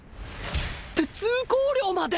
って通行料まで！？